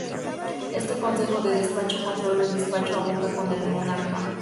Este Consejo de Despacho controló el despacho a boca con el monarca.